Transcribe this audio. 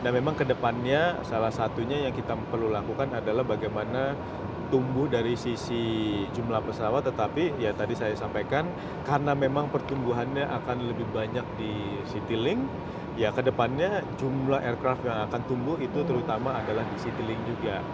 dan memang kedepannya salah satunya yang kita perlu lakukan adalah bagaimana tumbuh dari sisi jumlah pesawat tetapi ya tadi saya sampaikan karena memang pertumbuhannya akan lebih banyak di citylink ya kedepannya jumlah aircraft yang akan tumbuh itu terutama adalah di citylink juga